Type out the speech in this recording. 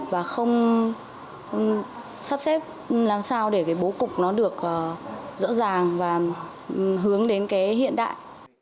và không sắp xếp làm sao để cái bố cục nó được rõ ràng và hướng đến cái hiện đại